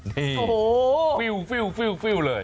นี่ฟิวเลย